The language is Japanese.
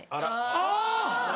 あぁ！